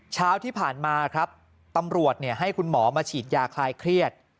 เช้าที่ผ่านมาครับตำรวจให้คุณหมอมาฉีดยาคลายเครียด